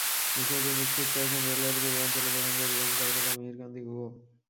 বিষয়টি নিশ্চিত করেছেন রেলওয়ের পূর্বাঞ্চলের প্রধান পরিবহন কর্মকর্তা মিহির কান্তি গুহ।